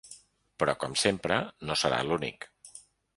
Però com sempre no serà l’únic.